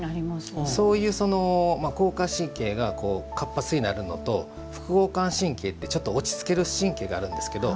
そういう交感神経が活発になるのと副交感神経ってちょっと落ち着ける神経があるんですけれども